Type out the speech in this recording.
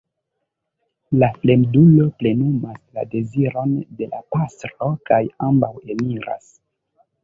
La fremdulo plenumas la deziron de la pastro kaj ambaŭ eniras.